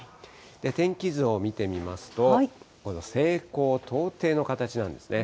天気図を見てみますと、この西高東低の形なんですね。